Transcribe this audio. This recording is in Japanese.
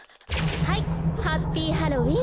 はいハッピーハロウィン！